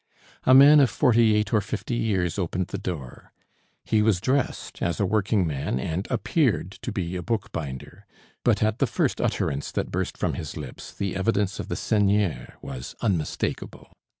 A man of forty eight or fifty years opened the door. He was dressed as a working man and appeared to be a bookbinder. But at the first utterance that burst from his lips, the evidence of the seigneur was unmistakable.